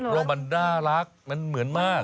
ว่ามันน่ารักมันเหมือนมาก